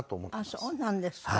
あっそうなんですか。